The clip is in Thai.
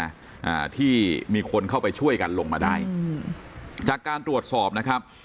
อ่าที่มีคนเข้าไปช่วยกันลงมาได้อืมจากการตรวจสอบนะครับ